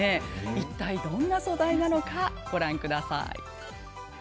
いったいどんな素材なのかご覧ください。